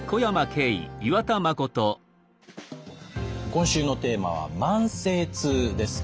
今週のテーマは「慢性痛」です。